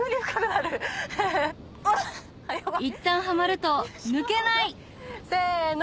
いったんはまると抜けない！せの！